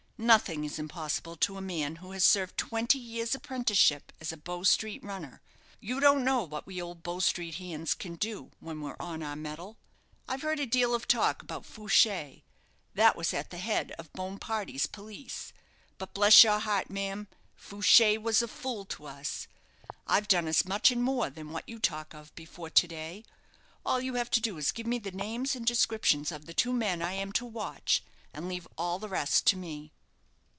Nothing is impossible to a man who has served twenty years' apprenticeship as a Bow Street runner. You don't know what we old Bow Street hands can do when we're on our mettle. I've heard a deal of talk about Fooshay, that was at the head of Bonaparty's police but bless your heart, ma'am, Fooshay was a fool to us. I've done as much and more than what you talk of before to day. All you have to do is to give me the names and descriptions of the two men I am to watch, and leave all the rest to me."